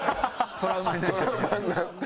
トラウマになって。